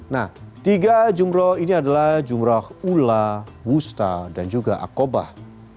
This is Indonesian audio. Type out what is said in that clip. nah tiga jumroh ini adalah jumroh ula wusta dan juga akobah